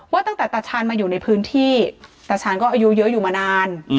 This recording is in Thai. ตั้งแต่ตาชาญมาอยู่ในพื้นที่ตาชาญก็อายุเยอะอยู่มานาน